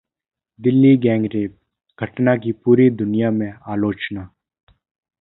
Delhi gang rape: घटना की पूरी दुनिया में आलोचना